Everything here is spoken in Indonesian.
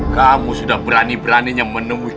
kamu sudah berani beraninya menemui